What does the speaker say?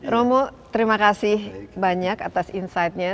romo terima kasih banyak atas insightnya